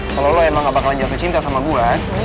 kalau lo emang gak bakalan jatuh cinta sama gue